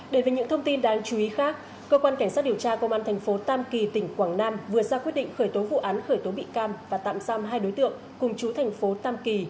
để về những thông tin đáng chú ý khác cơ quan cảnh sát điều tra công an tp tam kỳ tỉnh quảng nam vừa ra quyết định khởi tố vụ án khởi tố bị cam và tạm xăm hai đối tượng cùng chú tp tam kỳ